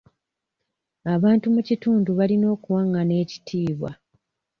Abantu mu kitundu balina okuwangana ekitiibwa.